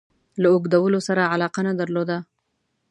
له اوږدولو سره علاقه نه درلوده.